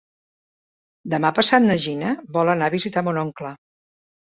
Demà passat na Gina vol anar a visitar mon oncle.